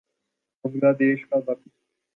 بنگلہ دیش کا وقت